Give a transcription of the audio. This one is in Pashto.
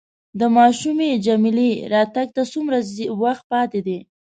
د ماشومې جميله راتګ ته څومره وخت پاتې دی؟